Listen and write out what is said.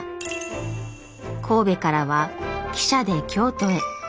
神戸からは汽車で京都へ。